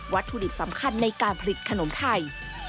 ถุดิบสำคัญในการผลิตขนมไทย